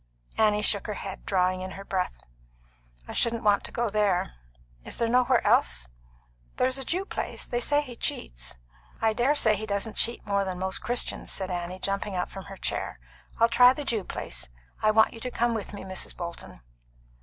Annie shook her head, drawing in her breath. "I shouldn't want to go there. Is there nowhere else?" "There's a Jew place. They say he cheats." "I dare say he doesn't cheat more than most Christians," said Annie, jumping from her chair. "I'll try the Jew place. I want you to come with me, Mrs. Bolton."